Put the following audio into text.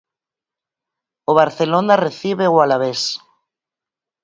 O Barcelona recibe o Alavés.